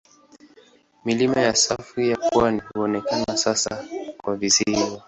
Milima ya safu ya pwani huonekana sasa kama visiwa.